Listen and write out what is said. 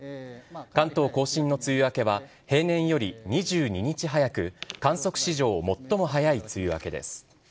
関東甲信の梅雨明けは、平年より２２日早く、観測史上最も早い梅雨明けです。